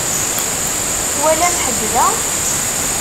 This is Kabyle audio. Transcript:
Twalam ḥedd da?